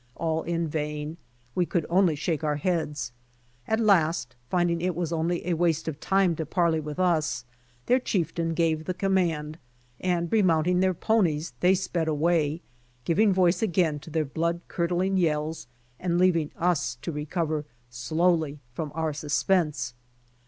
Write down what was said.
All in vain. We could only shake our heads. At last, finding it was only a waste of time to parley with us, their chieftain gave the command, and re mounting their ponies, they sped away, giving voice again to their blood curdling yells and leaving us to recover slowly from our suspense.